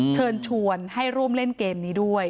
เชิญชวนให้ร่วมเล่นเกมนี้ด้วย